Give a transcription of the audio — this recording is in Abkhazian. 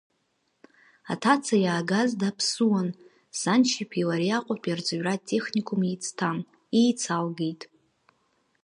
Аҭаца иаагаз даԥсуан, саншьа иԥеи лареи Аҟәатәи арҵаҩратә техникум еицҭан, еицалгеит.